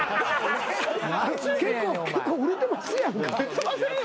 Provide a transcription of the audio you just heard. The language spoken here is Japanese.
結構売れてますやんか。